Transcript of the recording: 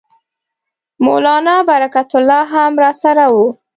مولنا برکت الله هم راسره وو.